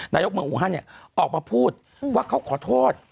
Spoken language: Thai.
นายกเมืองอูฮันออกมาพูดว่าเขาขอโทษ